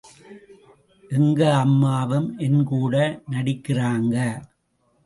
எங்க அம்மாவும் என் கூட நடிக்கிறாங்க.